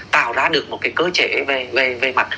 tạo ra được một cái cơ chế về mặt